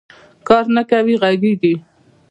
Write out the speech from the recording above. کار نه کوې غږېږې